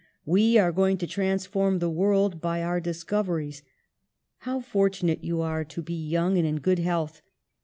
we are going to transform the world by our dis coveries!' How fortunate you are to be young and in good health !